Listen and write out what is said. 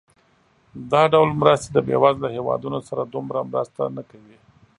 دا ډول مرستې د بېوزله هېوادونو سره دومره مرسته نه کوي.